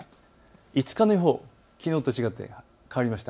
５日の予報、きのうと違って変わりました。